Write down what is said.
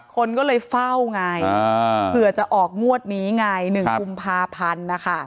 คนก็เลยเฝ้าไงเผื่อจะออกงวดนี้ไง๑กุมภาพันธ์นะคะ